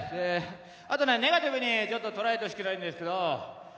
あとね、ネガティブに捉えてほしくないんですけど。